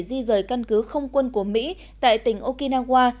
nhật bản đã di dời căn cứ không quân của mỹ tại tỉnh okinawa